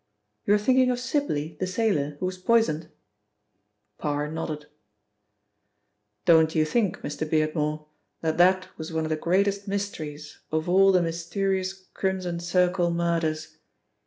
"You're thinking of Sibly, the sailor, who was poisoned?" Parr nodded. "Don't you think, Mr. Beardmore, that that was one of the greatest mysteries of all the mysterious Crimson Circle murders?"